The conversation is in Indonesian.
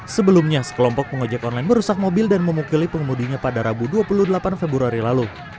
sebelumnya sekelompok pengojek online merusak mobil dan memukili pengemudinya pada rabu dua puluh delapan februari lalu